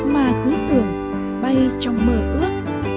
mà cứ tưởng bay trong mơ ước